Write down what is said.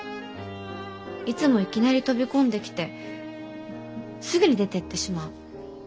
いつもいきなり飛び込んできてすぐに出てってしまう。